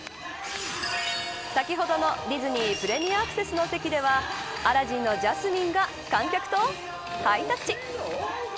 先ほどのディズニー・プレミアアクセスの席ではアラジンのジャスミンが観客とハイタッチ。